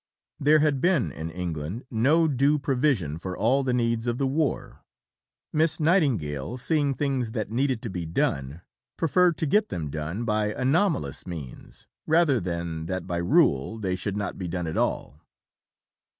There had been in England no due provision for all the needs of the war. Miss Nightingale, seeing things that needed to be done, preferred to get them done by anomalous means rather than that by rule they should not be done at all.